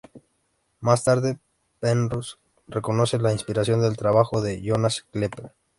Más tarde Penrose reconoce la inspiración del trabajo de Johannes Kepler.